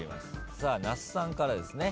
さあ那須さんからですね。